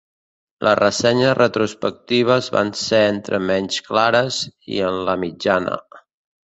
Les ressenyes retrospectives van ser entre menys clares i en la mitjana.